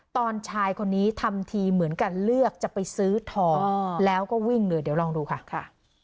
ชายคนนี้ทำทีเหมือนกันเลือกจะไปซื้อทองแล้วก็วิ่งเลยเดี๋ยวลองดูค่ะ